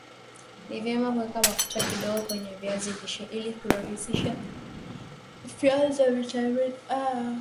ni vyema kuweka mafuta kidogo kwenye viazi lishe ili kurahisisha ufyonzaji wa vitamini A